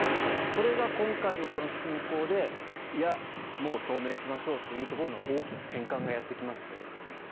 それが今回のこの侵攻でいや、もう表明しましょうというところの大きな転換がやってきましたよと。